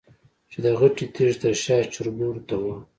چې د غټې تيږې تر شا چرګوړو ته وه.